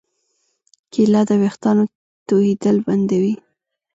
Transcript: کېله د ویښتانو تویېدل بندوي.